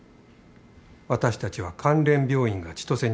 私たちは関連病院が千歳にある。